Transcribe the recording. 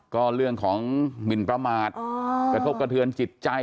ก็เรื่องของหมินประมาทกระทบกระเทือนจิตใจ